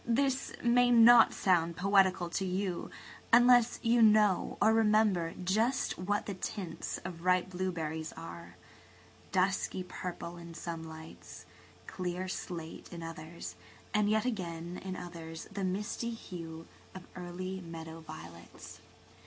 This may not sound poetical to you unless you know or remember just what the tints of ripe blueberries are–dusky purple in some lights, clear slate in others, and yet again in others the misty hue of early meadow violets.